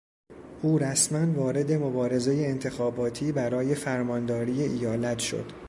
او رسما وارد مبارزهی انتخاباتی برای فرمانداری ایالت شد.